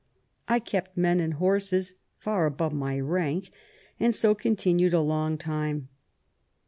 I kept men and horses far above my rank, and so continued a long time."